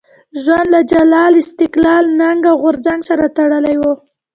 ژوند له جلال، استقلال، ننګ او غورځنګ سره تړلی وو.